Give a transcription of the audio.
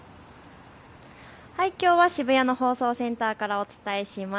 きょうは渋谷の放送センターからお伝えします。